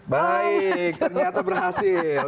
baik ternyata berhasil